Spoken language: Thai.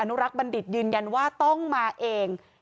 นุรักษ์บัณฑิตยืนยันว่าต้องมาเอง